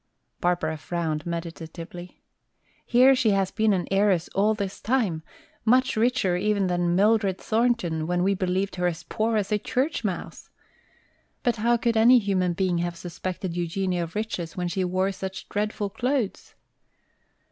Barbara frowned meditatively. "Here she has been an heiress all this time, much richer even than Mildred Thornton, when we believed her as poor as a church mouse! But how could any human being have suspected Eugenia of riches when she wore such dreadful clothes?"